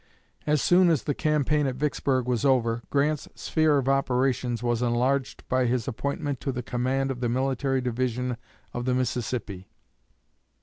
As soon as the campaign at Vicksburg was over, Grant's sphere of operations was enlarged by his appointment to the command of the military division of the Mississippi.